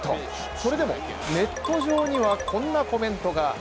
それでもネット上には、こんなコメントが。